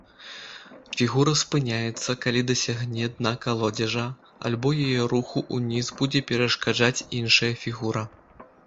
Фігура спыняецца, калі дасягне дна калодзежа, альбо яе руху ўніз будзе перашкаджаць іншая фігура.